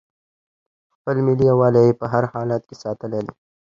خپل ملي یووالی یې په هر حالت کې ساتلی دی.